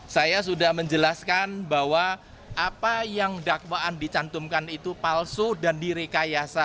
saya sudah menjelaskan bahwa apa yang dakwaan dicantumkan itu palsu dan direkayasa